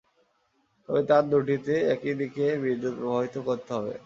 তবে তার দুটিতে একই দিকে বিদ্যুৎ প্রবাহিত করতে হবে।